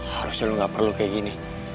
harusnya lo gak perlu kayak gini